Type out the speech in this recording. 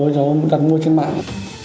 nóng dấu nóng dấu nóng dấu trên mạng